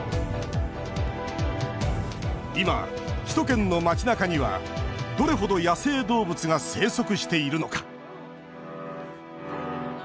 今、首都圏の街なかにはどれほど野生動物が生息しているのか。